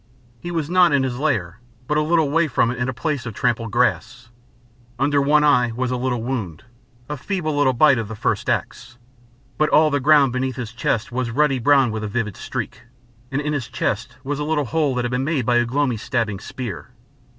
He was not in his lair, but a little way from it in a place of trampled grass. Under one eye was a little wound, the feeble little bite of the first axe. But all the ground beneath his chest was ruddy brown with a vivid streak, and in his chest was a little hole that had been made by Ugh lomi's stabbing spear.